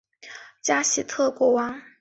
卡什提里亚什二世加喜特国王。